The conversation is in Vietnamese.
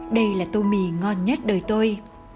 đây là tô mì ngon nhất đời tôi